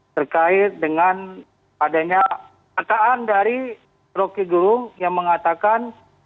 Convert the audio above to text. terkait dengan adanya kataan dari rocky gerung yang mengatakan